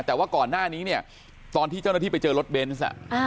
แต่ว่าก่อนหน้านี้เนี่ยตอนที่เจ้าหน้าที่ไปเจอรถเบนส์